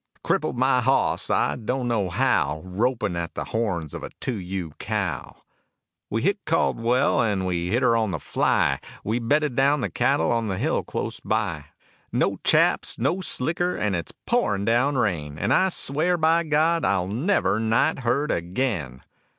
Crippled my hoss, I don't know how, Ropin' at the horns of a 2 U cow. We hit Caldwell and we hit her on the fly, We bedded down the cattle on the hill close by. No chaps, no slicker, and it's pouring down rain, And I swear, by god, I'll never night herd again.